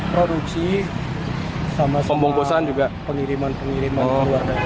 produksi sama pengiriman pengiriman keluarga